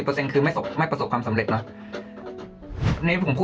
เปอร์เซ็นต์คือไม่สบไม่ประสบความสำเร็จเนอะเนี้ยผมพูด